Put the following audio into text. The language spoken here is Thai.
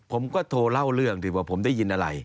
ผมก็โทรเล่าเรื่องที่ว่าผมได้ยินอะไร